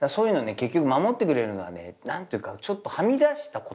結局守ってくれるのはね何ていうかちょっとはみ出した子たちなのよ。